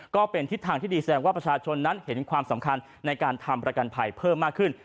ก็เป็นทิศทางที่ดีแสดงว่าประชาชนนั้นเห็นความสำคัญในการทำประกันภัยเพิ่มมากขึ้น